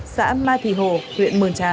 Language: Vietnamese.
xã ma thị hồ huyện mường trà